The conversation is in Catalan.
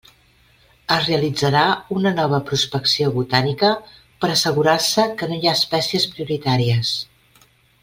Es realitzarà una nova prospecció botànica per a assegurar-se que no hi ha espècies prioritàries.